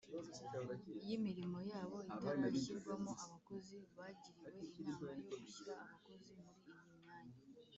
y imirimo yabo itarashyirwamo abakozi Bagiriwe inama yo gushyira abakozi muri iyi myanya